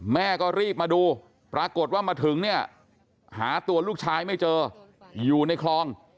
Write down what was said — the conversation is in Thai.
แม่ก็รีบมาดูปรากฏว่ามาถึงเนี่ยหาตัวลูกชายไม่เจออยู่ในคลอง